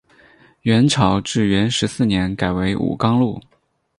元朝至元十四年改为武冈路。